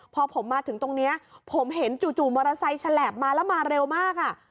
พอผมมาถึงตรงนี้ผมเห็นจู่มอเตอร์ไซค์ฉลาบมาแล้วมาเร็วมากอ่ะ